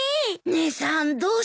姉さんどうして？